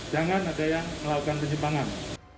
jangan ada yang melakukan penyimpangan